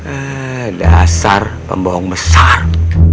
eh dasar pembohong besar